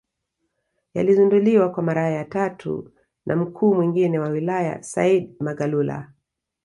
Yalizinduliwa kwa mara ya tatu na mkuu mwingine wa wilaya Said Magalula